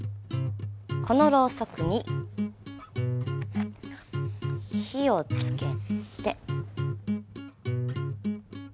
このロウソクに火を付けて。